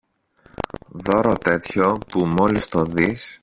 δώρο τέτοιο που, μόλις το δεις